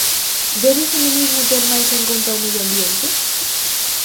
Debe o feminismo ter máis en conta o medio ambiente?